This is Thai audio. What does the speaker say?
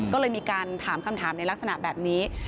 ก็เลยมีการถามคำถามในลักษณะแบบนี้